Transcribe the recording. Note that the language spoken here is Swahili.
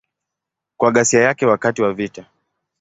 Kwa ghasia yake wakati wa vita.